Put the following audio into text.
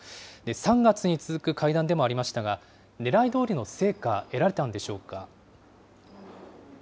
３月に続く会談でもありましたが、ねらいどおりの成果は得られたんでしょうか。